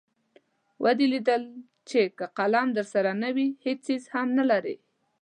ودې لیدل چې که قلم درسره نه وي هېڅ څیز هم نلرئ.